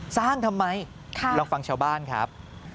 ทำไมลองฟังชาวบ้านครับ